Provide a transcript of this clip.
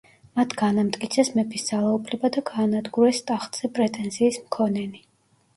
მათ განამტკიცეს მეფის ძალაუფლება და გაანადგურეს ტახტზე პრეტენზიის მქონენი.